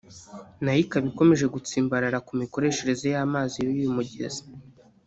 nayo ikaba ikomeje gutsimbarara ku mikoreshereze y’amazi y’uyu mugezi